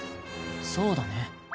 そうだね。